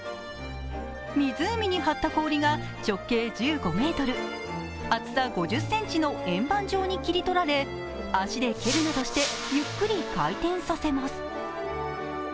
湖に張った氷が直径１５ｍ、厚さ５０ｃｍの円盤状に切り取られ足で蹴るなどしてゆっくり回転させます。